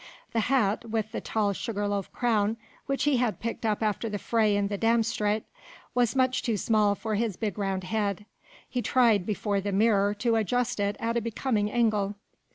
The hat, with the tall sugar loaf crown, which he had picked up after the fray in the Dam Straat, was much too small for his big round head. He tried, before the mirror, to adjust it at a becoming angle.